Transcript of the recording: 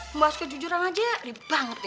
membahas kejujuran aja ribet banget ya